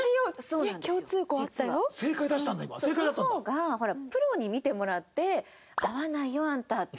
その方がほらプロに見てもらって「合わないよあんた」って言われたら。